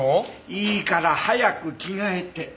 いいから早く着替えて！